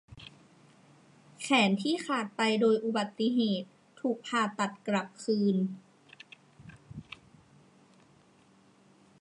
แขนที่ขาดไปโดยอุบัติเหตุถูกผ่าตัดกลับคืน